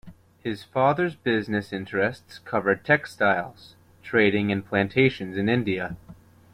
His father's business interests covered textiles, trading and plantations in India.